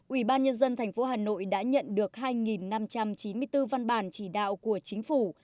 ủy ban nhân dân tp hà nội đã nhận được hai năm trăm chín mươi bốn văn bản chỉ đạo của chính phủ